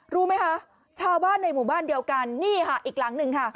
รู้ไหมคะชาวบ้านในหมู่บ้านเดียวกันนี่ค่ะอีกหลังหนึ่งค่ะ